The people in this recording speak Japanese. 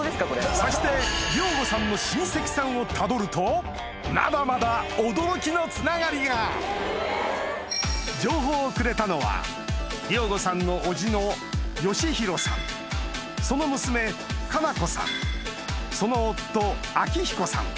そして亮吾さんの親戚さんをたどるとまだまだ情報をくれたのは亮吾さんのおじの善裕さんその娘加奈子さんその夫顕彦さん